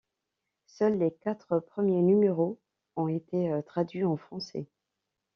Seuls les quatre premiers numéros ont été traduits en français.